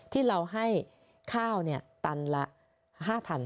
ที่เราให้ข้าวตันละ๕๐๐บาท